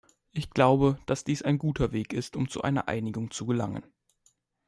Ich glaube, dass dies ein guter Weg ist, um zu einer Einigung zu gelangen.